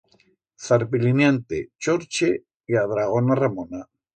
Zarpiliniante, Chorche y a dragona Ramona.